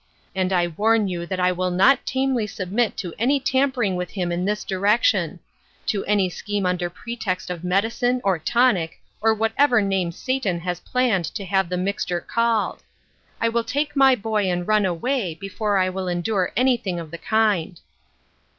And I warn you that I will not tamely submit to any tampering with him in this direction ; to any scheme under pretext of medicine, or tonic, or whatever name Satan has planned to have the mixture called. I will take my boy and run away, before I will endure anything of the kind."